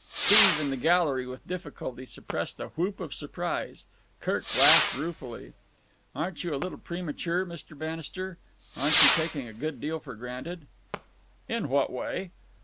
Steve, in the gallery, with difficulty suppressed a whoop of surprise. Kirk laughed ruefully. "Aren't you a little premature, Mr. Bannister? Aren't you taking a good deal for granted?" "In what way?"